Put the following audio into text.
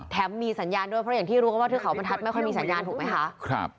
มีสัญญาณด้วยเพราะอย่างที่รู้กันว่าเทือกเขาบรรทัศน์ไม่ค่อยมีสัญญาณถูกไหมคะครับ